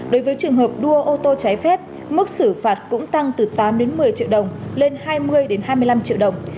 đối với trường hợp đua ô tô trái phép mức xử phạt cũng tăng từ tám một mươi triệu đồng lên hai mươi hai mươi năm triệu đồng